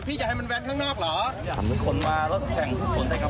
พี่จะให้มันแวนข้างนอกเหรอ